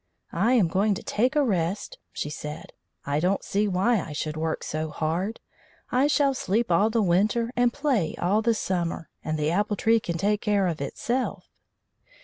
"I am going to take a rest," she said; "I don't see why I should work so hard. I shall sleep all the winter and play all the summer, and the apple tree can take care of itself."